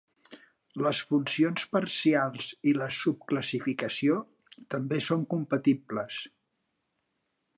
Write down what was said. Les funcions parcials i la subclassificació també són compatibles.